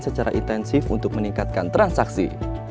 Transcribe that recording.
secara intensif untuk meningkatkan transaksi